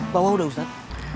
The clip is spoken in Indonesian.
bawa udah ustaz